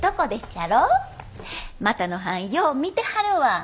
股野はんよう見てはるわ。